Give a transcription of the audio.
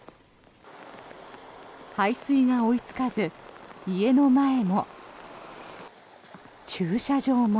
排水が追いつかず家の前も。